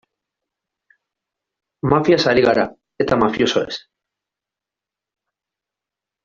Mafiaz ari gara, eta mafiosoez.